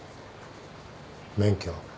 免許？